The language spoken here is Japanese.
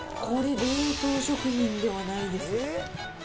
これ、冷凍食品ではないですよ。